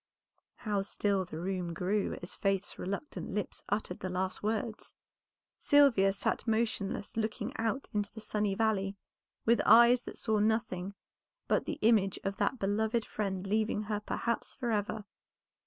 How still the room grew as Faith's reluctant lips uttered the last words! Sylvia sat motionless looking out into the sunny valley, with eyes that saw nothing but the image of that beloved friend leaving her perhaps forever.